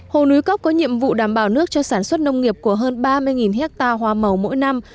hồ núi cốc có nhiệm vụ đảm bảo nước cho sản xuất nông nghiệp của hơn ba mươi hectare hoa màu mỗi năm